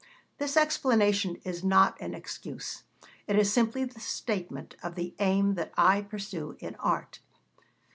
This explanation is not an excuse, it is simply the statement of the aim that I pursue in art.'